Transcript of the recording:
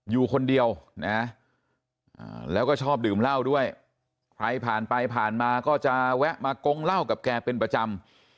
อยู่คนเดียวนะแล้วก็ชอบดื่มเหล้าด้วยใครผ่านไปผ่านมาก็จะแวะมากงเหล้ากับแกเป็นประจำ